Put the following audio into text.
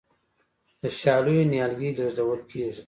د شالیو نیالګي لیږدول کیږي.